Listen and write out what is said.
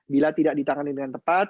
bila tidak ditangani dengan tepat